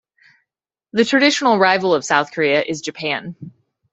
The traditional rival of South Korea is Japan.